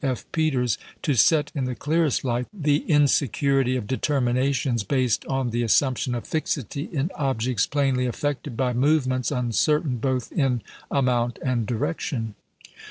F. Peters to set in the clearest light the insecurity of determinations based on the assumption of fixity in objects plainly affected by movements uncertain both in amount and direction.